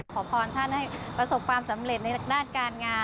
ขอพรท่านให้ประสบความสำเร็จในด้านการงาน